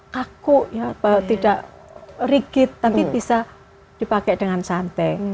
kaku tidak rigid tapi bisa dipakai dengan santai